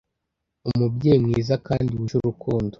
umubyeyi mwiza kandi wuje urukundo